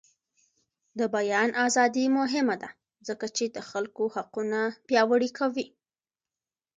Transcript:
د بیان ازادي مهمه ده ځکه چې د خلکو حقونه پیاوړي کوي.